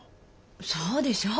そうでしょう？